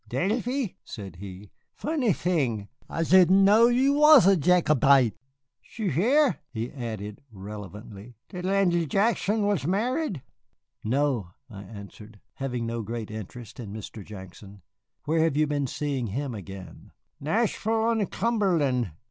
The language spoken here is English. "Davy," said he, "funny thing I didn't know you wash a Jacobite. Sh'ou hear," he added relevantly, "th' Andy Jackson was married?" "No," I answered, having no great interest in Mr. Jackson. "Where have you been seeing him again?" "Nashville on Cumberland.